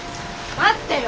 待ってよ！